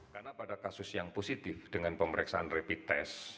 karena pada kasus yang positif dengan pemeriksaan rapid test